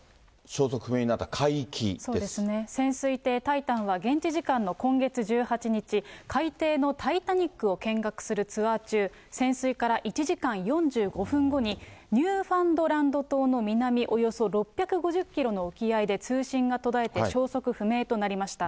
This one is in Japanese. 潜水艇、タイタンは、今月１８日、海底のタイタニックを見学するツアー中、潜水から１時間４５分後に、ニューファンドランド島の南およそ６５０キロの沖合で通信が途絶えて消息不明となりました。